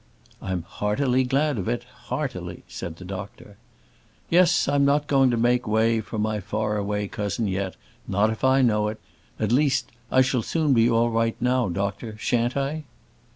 "I'm heartily glad of it; heartily," said the doctor. "Yes, I'm not going to make way for my far away cousin yet; not if I know it, at least. I shall soon be all right now, doctor; shan't I?"